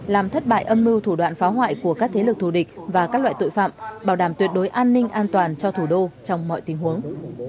làm thất bại âm mưu thủ đoạn phá hoại của các thế lực thù địch và các loại tội phạm bảo đảm tuyệt đối an ninh an toàn cho thủ đô trong mọi tình huống